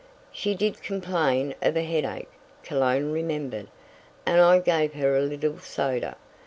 "She did complain of a headache," Cologne remembered, "and I gave her a little soda.